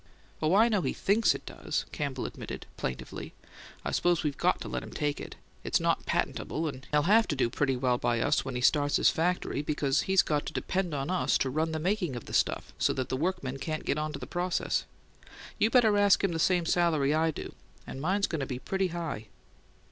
"Oh, I know he THINKS it does," Campbell admitted, plaintively. "I suppose we've got to let him take it. It's not patentable, and he'll have to do pretty well by us when he starts his factory, because he's got to depend on us to run the making of the stuff so that the workmen can't get onto the process. You better ask him the same salary I do, and mine's going to be high."